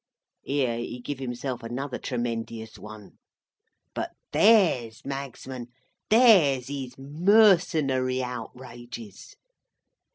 Here he giv himself another tremendious one. "But theirs, Magsman, theirs is mercenary outrages.